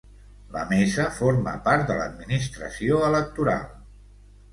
La mesa forma part de l'Administració electoral.